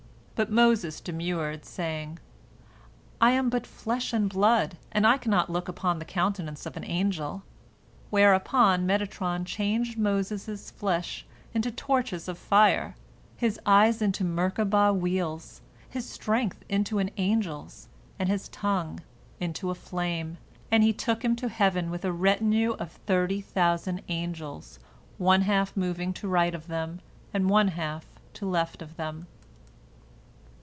But Moses demurred, saying, "I am but flesh and blood, and I cannot look upon the countenance of an angel," whereupon Metatron changed Moses' flesh into torches of fire, his eyes into Merkabah wheels, his strength into an angel's, and his tongue into a flame, and he took him to heaven with a retinue of thirty thousand angels, one half moving to right of them and one half to left of them.